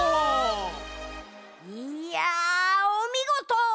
いやおみごと！